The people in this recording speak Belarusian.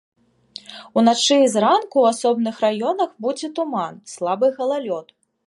Уначы і зранку ў асобных раёнах будзе туман, слабы галалёд.